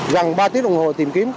rằng ba tiếng đồng hồ tìm kiếm